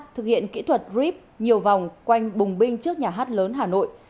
thực hiện kỹ thuật reap nhiều vòng quanh bùng binh trước nhà hát lớn hà nội